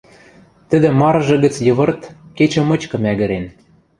Тӹдӹ марыжы гӹц йывырт кечӹ мычкы мӓгӹрен